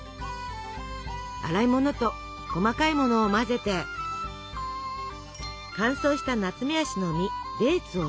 粗いものと細かいものを混ぜて乾燥したナツメヤシの実デーツを投入。